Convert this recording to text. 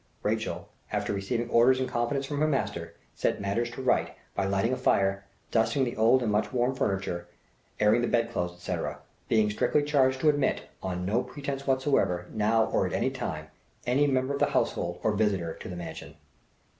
Rachel, after receiving orders in confidence from her master, set matters to right by lighting a fire, dusting the old and much worn furniture, airing the bed clothes, etc., being strictly charged to admit, on no pretence whatever, now or at any time, any member of the household or visitor to the mansion.